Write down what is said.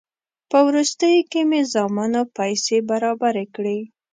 په وروستیو کې مې زامنو پیسې برابرې کړې.